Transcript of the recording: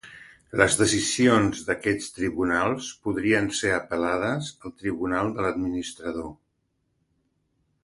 Les decisions d'aquests Tribunals podrien ser apel·lades al tribunal de l'Administrador.